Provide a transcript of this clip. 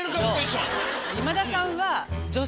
今田さんは。